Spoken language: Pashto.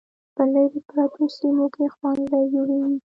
په لیرې پرتو سیمو کې ښوونځي جوړیږي.